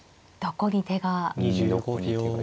どこに手が。